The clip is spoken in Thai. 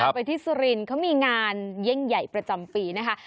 ไปที่สุรินทร์เขามีงานเย่งใหญ่ประจำปีนะคะ